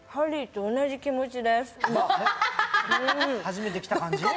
初めて来た感じ？